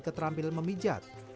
keterampilan memijakkan al quran braille